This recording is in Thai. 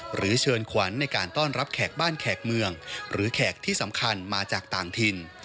หรือเชิญขวัญในการต้อนรับแขกบ้านแขกเมืองหรือแขกที่สำคัญมาจากต่างถิ่น